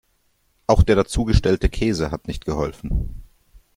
Auch der dazugestellte Käse hat nicht geholfen.